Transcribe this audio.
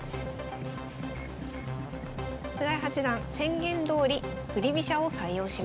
菅井八段宣言どおり振り飛車を採用します。